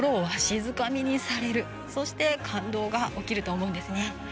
そして、感動が起きると思うんですね。